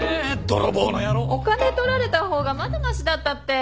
お金取られた方がまだましだったって。